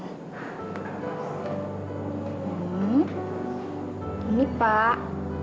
hmm ini pak